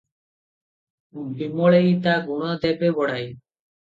ବିମଳେଇ ତା ଗୁଣ ଦେବେ ବଢ଼ାଇ ।